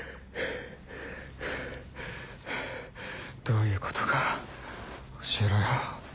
どういうことか教えろよ。